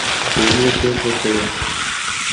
د پلورلو پرېکړه کړې